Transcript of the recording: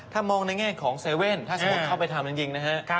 ถ้ามองในแง่ของ๗๑๑ถ้าสมมุติเข้าไปทำจริงนะฮะ